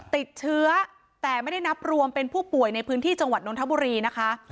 ติดเชื้อแต่ไม่ได้นับรวมเป็นผู้ป่วยในพื้นที่จังหวัดนทบุรีนะคะ